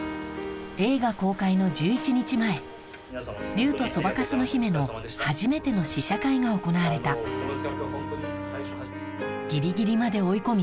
『竜とそばかすの姫』の初めての試写会が行われたギリギリまで追い込み